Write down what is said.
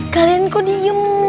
kalian kok diem